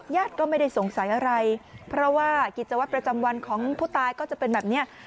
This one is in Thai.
ญาติก็ไม่ได้สงสัยอะไรเพราะว่ากิจวัตรประจำวันของผู้ตายก็จะเป็นแบบนี้